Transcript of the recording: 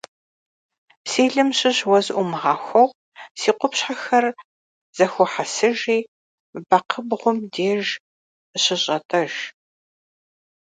Si lım şış vue zı'uumığaxueu si khupşhelhapşher zexuehesıjji bekxhıbğum dêjj şış'et'ejj.